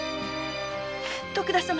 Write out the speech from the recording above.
徳田様